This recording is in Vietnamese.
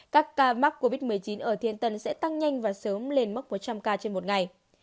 các ca mắc covid một mươi chín ở thiên tân sẽ tăng nhanh và sớm lên mức một trăm linh ca trên một ngày